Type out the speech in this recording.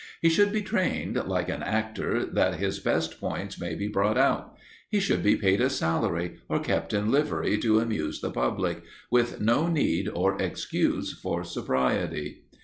He should be trained like an actor that his best points may be brought out; he should be paid a salary or kept in livery to amuse the public, with no need or excuse for sobriety.